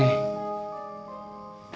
udah gak ada rifki